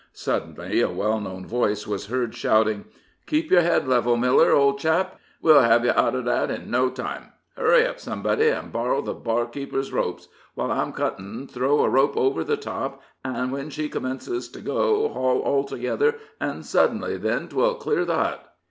Suddenly a well known voice was heard shouting; "Keep your head level, Miller, old chap we'll hev you out of that in no time. Hurry up, somebody, and borrow the barkeeper's ropes. While I'm cuttin', throw a rope over the top, and when she commences to go, haul all together and suddenly, then 'twill clear the hut."